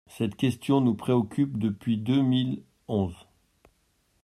Cette question nous préoccupe depuis deux mille onze.